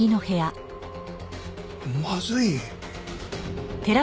まずい！